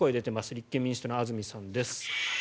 立憲民主党の安住さんです。